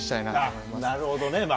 なるほどね。